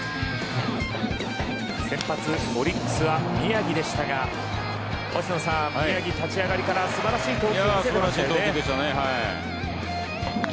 先発、オリックスは宮城でしたが星野さん、宮城、立ち上がりから素晴らしい投球でしたね。